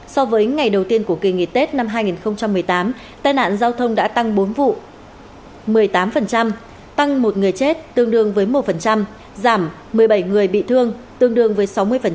so với ngày đầu tiên của kỳ nghỉ tết năm hai nghìn một mươi tám tai nạn giao thông đã tăng bốn vụ một mươi tám tăng một người chết tương đương với một giảm một mươi bảy người bị thương tương đương với sáu mươi